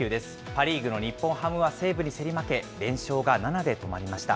パ・リーグの日本ハムは西武に競り負け、連勝が７で止まりました。